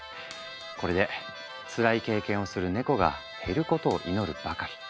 これでつらい経験をするネコが減ることを祈るばかり。